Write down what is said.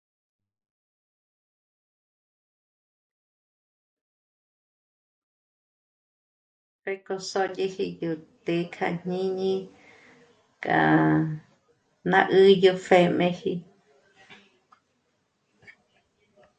Pjèko sö́dyëji yo té'e k'a jñíñi k'a ná 'ü̂ 'ü yó pjèmeji